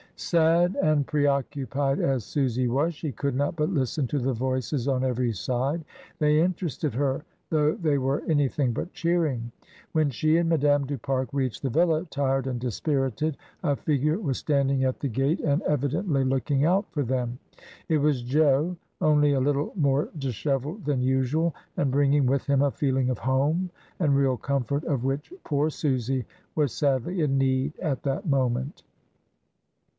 ..." Sad and preoccupied as Susy was, she could not but listen to the voices on every side; they interested her though they were anything but cheering. When she and Madame du Pare reached the villa, tired and dispirited, a figure was standing at the gate. AT VERSAILLES. 2 1 1 and evidently looking out for them. It was Jo, only a little more dishevelled than usual, and bringing with him a feeling of home and real comfort of which poor Susy was sadly in need at that mo ment.